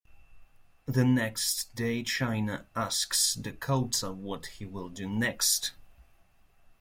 The next day, China asks Dakota what he will do next.